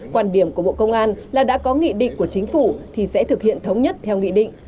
quan điểm của bộ công an là đã có nghị định của chính phủ thì sẽ thực hiện thống nhất theo nghị định